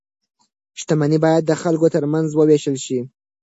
شتمني باید د خلکو ترمنځ وویشل شي.